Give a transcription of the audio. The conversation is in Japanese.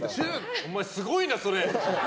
お前すごいなそれ。